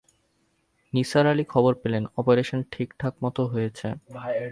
নিসার আলি খবর পেলেন অপারেশন ঠিকঠাকমতো হয়েছে।